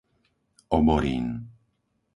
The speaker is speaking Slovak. Oborín